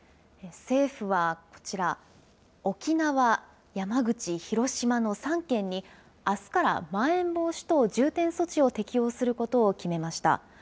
政府はこちら、沖縄、山口、広島の３県にあすからまん延防止等重点措置を適用することを決めました。